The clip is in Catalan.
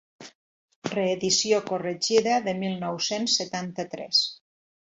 Reedició corregida de mil nou-cents setanta-tres.